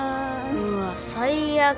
うわ最悪。